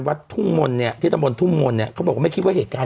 วัดทุ่งมลเนี่ยทฤษมณณทุ่งมลเนี่ยก็บอกว่าไม่คิดว่าเหตุการณ์